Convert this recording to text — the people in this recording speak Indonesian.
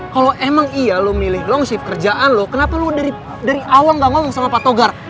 kalau emang iya lu milih long shift kerjaan lo kenapa lu dari awal gak ngomong sama pak togar